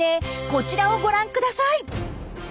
こちらをご覧ください。